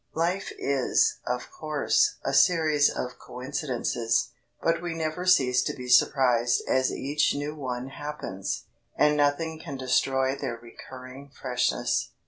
Life is, of course, a series of coincidences, but we never cease to be surprised as each new one happens, and nothing can destroy their recurring freshness.